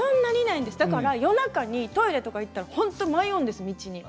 夜中にトイレとか行ったら本当に迷うんですよ